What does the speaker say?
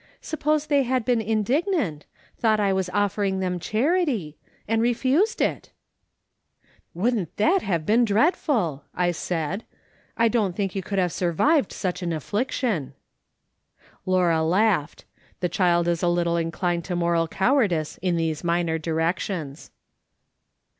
Suppose they had beeu indignant — thou^dit I was ofleniiLj them charity— and refused it ?"" Woukhi't tliat have heen dreadful !" I said. "1 don't think you could Iiave survived such an alllic tion." Laura laughed. The child is a little inclined to moral cowardice in these minor directions.